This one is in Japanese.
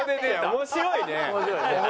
面白いね。